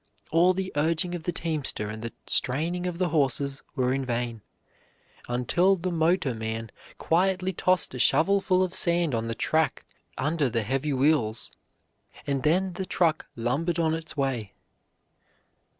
All the urging of the teamster and the straining of the horses were in vain, until the motorman quietly tossed a shovelful of sand on the track under the heavy wheels, and then the truck lumbered on its way.